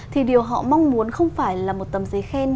thì điều họ mong muốn không phải là một tầm giấy khen